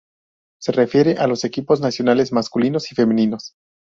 Se refiere a los equipos nacionales masculinos y femeninos.